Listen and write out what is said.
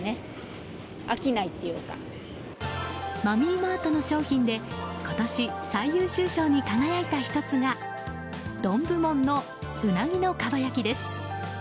マミーマートの商品で今年、最優秀賞に輝いた１つが丼部門の、鰻の蒲焼きです。